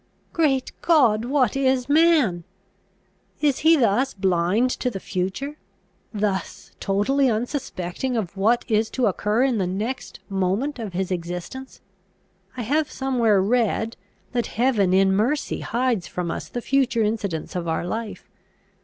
Great God! what is man? Is he thus blind to the future, thus totally unsuspecting of what is to occur in the next moment of his existence? I have somewhere read, that heaven in mercy hides from us the future incidents of our life.